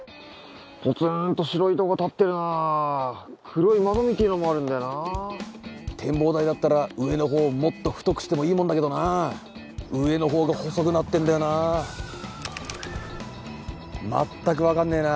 ポツーンと白い塔が立ってるな黒い窓みてえのもあるんだよな展望台だったら上の方をもっと太くしてもいいもんだけどな上の方が細くなってんだよな全く分かんねえな